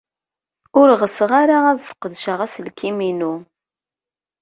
Ur ɣseɣ ara ad sqedceɣ aselkim-inu.